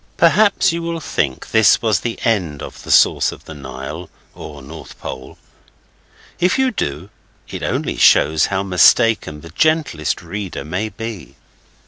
Perhaps you will think this was the end of the source of the Nile (or North Pole). If you do, it only shows how mistaken the gentlest reader may be.